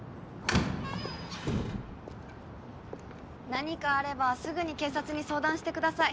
何かあればすぐに警察に相談してください。